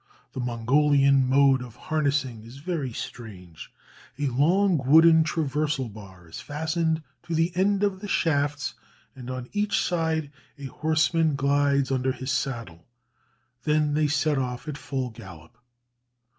The Mongolian mode of harnessing is very strange: a long wooden transversal bar is fastened to the end of the shafts, and on each side a horseman glides under his saddle; then they set off at full gallop.